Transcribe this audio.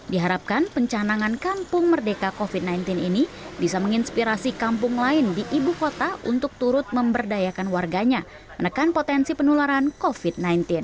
diharapkan pencanangan kampung merdeka covid sembilan belas ini bisa menginspirasi kampung lain di ibu kota untuk turut memberdayakan warganya menekan potensi penularan covid sembilan belas